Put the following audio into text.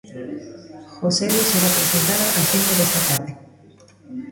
Joselu será presentado ás cinco desta tarde.